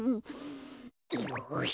よし。